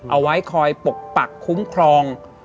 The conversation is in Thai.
เอาไว้คอยปกปักคุ้มครอง